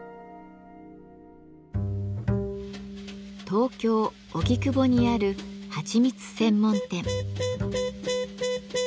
東京・荻窪にあるはちみつ専門店。